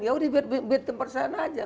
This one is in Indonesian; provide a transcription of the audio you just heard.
ya udah biar tempat sana aja